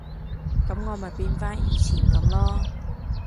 噉我咪變返以前噉囉